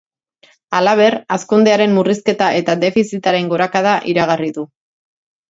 Halaber, hazkundearen murrizketa eta defizitaren gorakada iragarri du.